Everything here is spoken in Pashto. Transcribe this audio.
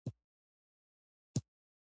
د مېلو له پاره ځوانان ځانګړي اشعار په یادوي.